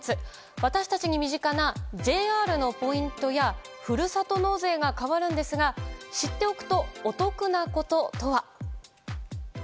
私たちに身近なＪＲのポイントやふるさと納税が変わるんですが知っておくとお得なこととは？